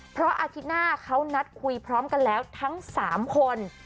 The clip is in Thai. เพราะอาทิตย์หน้าเขานัดคุยพร้อมกันแล้วทั้ง๓คน